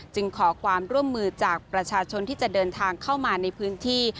ขอความร่วมมือจากประชาชนที่จะเดินทางเข้ามาในพื้นที่